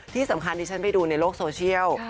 ที่สำคัญที่ฉันไปดูในโลกโซเชียล